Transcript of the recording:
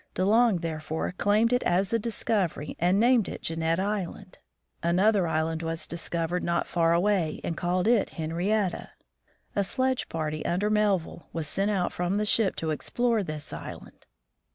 De Long therefore claimed it as a discovery, and named it Jeannette island. Another island was discovered not far away, and called Henrietta. A sledge party under Melville was sent out from the ship to explore this island.